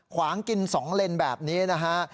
ขวางกิน๒เลนแบบนี้นะฮะ